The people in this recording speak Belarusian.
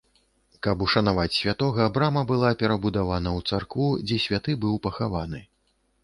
Каб ушанаваць святога, брама была перабудавана ў царкву, дзе святы быў пахаваны.